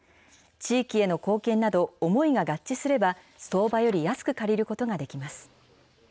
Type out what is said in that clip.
地域への貢献など、思いが合致すれば、相場より安く借りることができます。